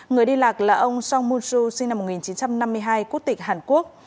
người đi lạc là ông song moon soo sinh năm một nghìn chín trăm năm mươi hai quốc tịch hàn quốc